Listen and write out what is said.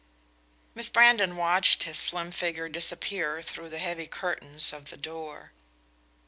Miss Brandon watched his slim figure disappear through the heavy curtains of the door.